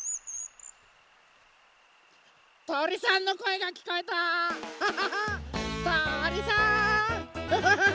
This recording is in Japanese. とりさんのこえがきこえた！ハハハ！